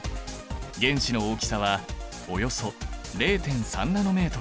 原子の大きさはおよそ０．３ｎｍ。